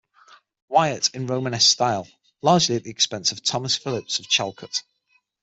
Wyatt in Romanesque style, largely at the expense of Thomas Phipps of Chalcot.